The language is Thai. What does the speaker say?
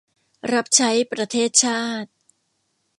รับใช้ประเทศชาติ